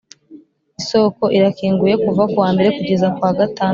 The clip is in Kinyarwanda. isoko irakinguye kuva kuwa mbere kugeza kuwa gatandatu.